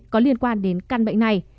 có liên quan đến căn bệnh này